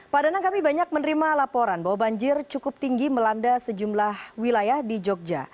pak danang kami banyak menerima laporan bahwa banjir cukup tinggi melanda sejumlah wilayah di jogja